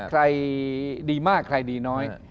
ใครดีมากใครดีน้อย